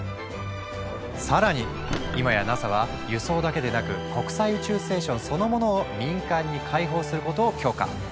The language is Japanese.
さらに今やＮＡＳＡは輸送だけでなく国際宇宙ステーションそのものを民間に開放することを許可。